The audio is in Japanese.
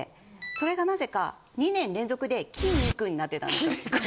それがなぜか２年連続で「きにくん」になってたんですよ。